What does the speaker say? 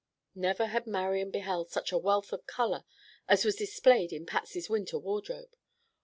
Never had Marian beheld such a wealth of color as was displayed in Patsy's winter wardrobe.